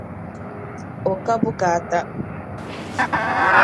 O ka bukaata.